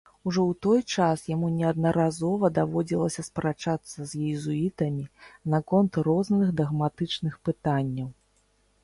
Ужо ў той час яму неаднаразова даводзілася спрачацца з езуітамі наконт розных дагматычных пытанняў.